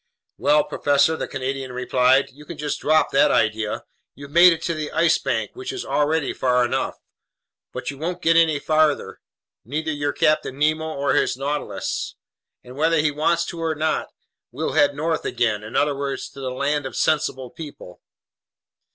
"Well, professor," the Canadian replied, "you can just drop that idea! You've made it to the Ice Bank, which is already far enough, but you won't get any farther, neither your Captain Nemo or his Nautilus. And whether he wants to or not, we'll head north again, in other words, to the land of sensible people."